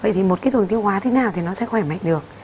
vậy thì một cái đường tiêu hóa thế nào thì nó sẽ khỏe mạnh được